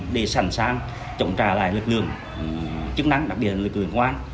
để sẵn sàng chống trả lại lực lượng chức năng đặc biệt là lực lượng ngoan